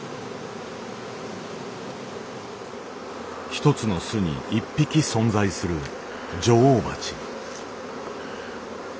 １つの巣に１匹存在する女王蜂。